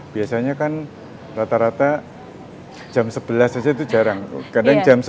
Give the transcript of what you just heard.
biasanya kan rata rata jam sebelas saja itu jarang kadang jam sebelas